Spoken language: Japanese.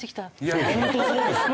いや本当そうですよ！